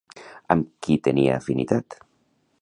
Amb qui tenia afinitat?